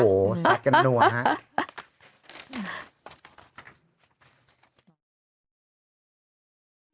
โอ้โฮสักกันหน่วงครับ